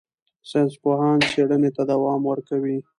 ساینسپوهان څېړنې ته دوام ورکوي.